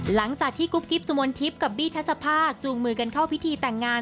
หลังจากที่กุ๊บกิ๊บสุมนทิพย์กับบี้ทัศภาคจูงมือกันเข้าพิธีแต่งงาน